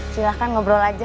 silahkan ngobrol aja